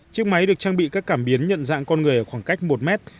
chiếc máy được trang bị các cảm biến nhận dạng con người ở khoảng cách một mét